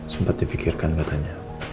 sempat difikirkan katanya